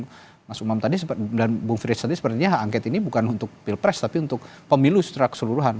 kalau mas umam tadi dan bung frits tadi sepertinya hak angket ini bukan untuk pilpres tapi untuk pemilu secara keseluruhan